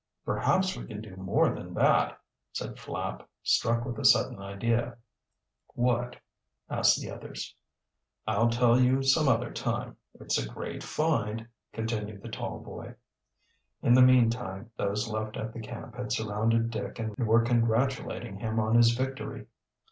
"Perhaps we can do more than that," said Flapp, struck with a sudden idea. "What"? asked the others. "I'll tell you some other time. It's a great find," continued the tall boy. In the meantime those left at the camp had surrounded Dick and were congratulating him on his victory.